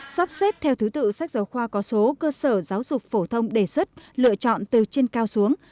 sắp xếp theo thứ tự sách giáo khoa có số cơ sở giáo dục phổ thông đề xuất lựa chọn từ trên cao xuống